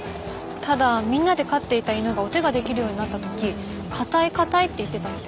ただみんなで飼っていた犬がお手ができるようになったとき「かたいかたい」って言ってたって。